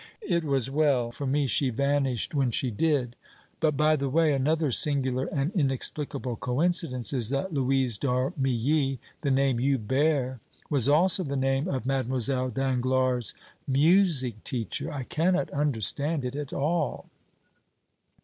It was well for me she vanished when she did! But, by the way, another singular and inexplicable coincidence is that Louise d'Armilly, the name you bear, was also the name of Mlle. Danglars' music teacher. I cannot understand it at all!"